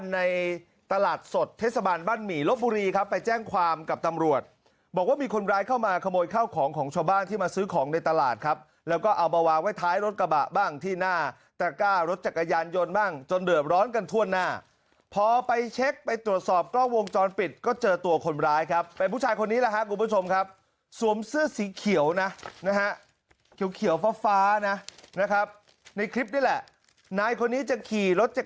ในตลาดสดเทศบาลบ้านหมี่ลบบุรีครับไปแจ้งความกับตำรวจบอกว่ามีคนร้ายเข้ามาขโมยข้าวของของชาวบ้านที่มาซื้อของในตลาดครับแล้วก็เอามาวางไว้ท้ายรถกระบะบ้างที่หน้าตะกร้ารถจักรยานยนต์บ้างจนเหลือร้อนกันทั่วหน้าพอไปเช็คไปตรวจสอบกล้องวงจรปิดก็เจอตัวคนร้ายครับเป็นผู้ชายคนนี้แล้วครับคุ